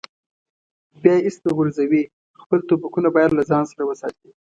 بیا یې ایسته غورځوي، خپل ټوپکونه باید له ځان سره وساتي.